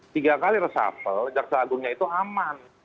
tiga kali resapel jaksa agungnya itu aman